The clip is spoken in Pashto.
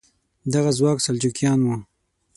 دغه ځواک سلجوقیان وو.